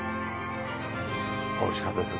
おいしかったです。